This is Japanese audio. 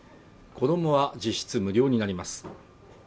子供は実質無料になります